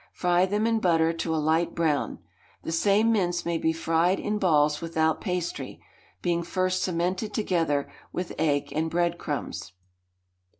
Fry them in butter to a light brown. The same mince may be fried in balls without pastry, being first cemented together with egg and breadcrumbs.